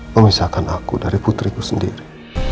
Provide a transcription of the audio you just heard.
memisahkan aku dari putriku sendiri